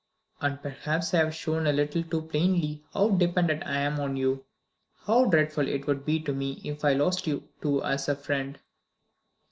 "And perhaps I have shown a little too plainly how dependent I am on you how dreadful it would be to me if I lost you too as a friend?"